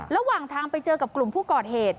ระหว่างทางไปเจอกับกลุ่มผู้ก่อเหตุ